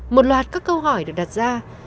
một loạt các câu hỏi được đặt ra